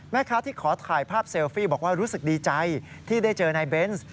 ที่ขอถ่ายภาพเซลฟี่บอกว่ารู้สึกดีใจที่ได้เจอนายเบนส์